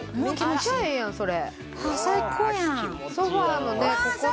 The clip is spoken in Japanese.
めっちゃええやんそれ。